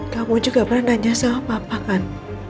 kamu juga pernah nanya sama papa kan